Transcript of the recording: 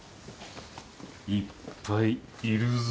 いっぱいいるぞ。